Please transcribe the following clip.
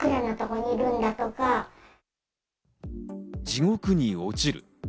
地獄に落ちる。